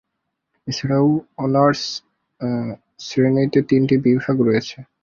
এছাড়াও অনার্স শ্রেণীতে তিনটি বিভাগ রয়েছে।